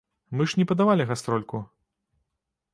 Мы ж не падавалі гастрольку.